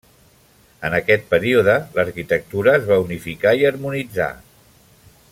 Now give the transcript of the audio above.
En aquest període l'arquitectura es va unificar i harmonitzar.